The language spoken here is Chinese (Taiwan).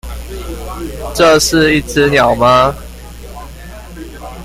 這是一隻鳥嗎？